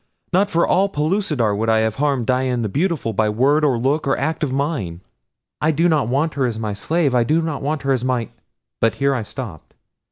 Not for all Pellucidar would I have harmed Dian the Beautiful by word, or look, or act of mine. I do not want her as my slave. I do not want her as my " but here I stopped.